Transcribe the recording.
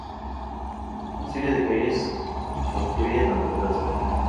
Una serie de calles confluyen a la plaza.